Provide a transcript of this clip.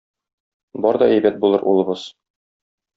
Бар да әйбәт булыр, улыбыз!